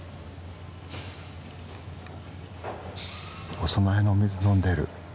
お供えのお水飲んでる。